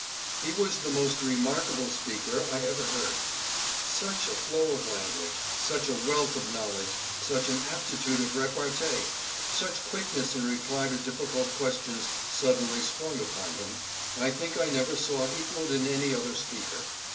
He was the most remarkable speaker I ever heard. Such a flow of language ; such a wealth of knowledge ; such an aptitude of repartee ; such quick ness in reply to difficult questions suddenly sprung upon him, I think I never saw equaled in any other speaker.